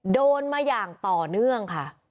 โดนมาอย่างต่อเนื่องค่ะ